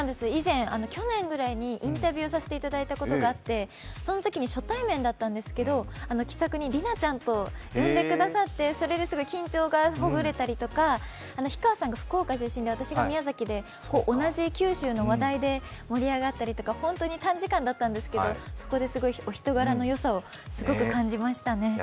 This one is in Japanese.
去年ぐらいにインタビューさせていただいたことがあって、そのときに初対面だったんですけど気さくに「里奈ちゃん」と呼んでくださってそれで緊張がほぐれたりとか、氷川さんが福岡出身で私が宮崎で、同じ九州の話題で盛り上がったりとか、本当に短時間だったんですけどお人柄のよさをすごく感じました。